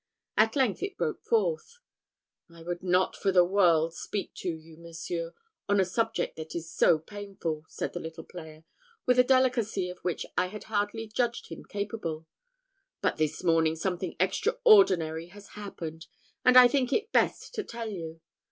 At length it broke forth. "I would not for the world speak to you, monseigneur, on a subject that is so painful," said the little player, with a delicacy of which I had hardly judged him capable; "but this morning something extraordinary has happened, that I think it best to tell you.